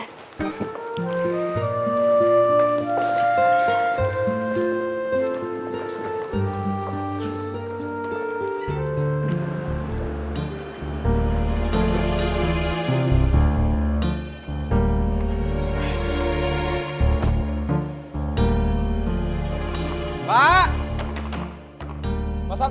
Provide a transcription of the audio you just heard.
terima kasih tanda